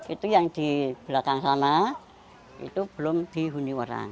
itu yang di belakang sana itu belum dihuni orang